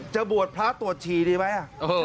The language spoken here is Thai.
จะบวชพระตรวจฉี่ดีไหม